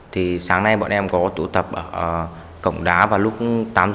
thì sáng nay bọn em có tụ tập ở cổng đá vào lúc tám h ba mươi